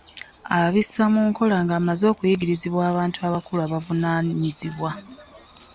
Abissa mu nkola ng'amaze okubiyigirizibwa abantu abakulu abavunaanyizibwa.